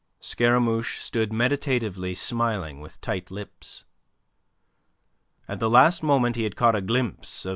Scaramouche stood meditatively smiling with tight lips. At the last moment he had caught a glimpse of M.